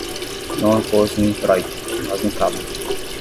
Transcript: não a pôs no intróito, mas no cabo